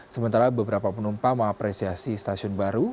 sementara beberapa penumpang mengapresiasi stasiun baru